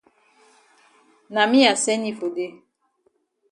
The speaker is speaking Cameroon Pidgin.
Na me I send yi for dey.